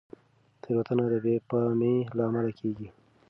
تېروتنه د بې پامۍ له امله کېږي.